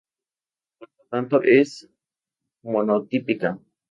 Por lo tanto es monotípica.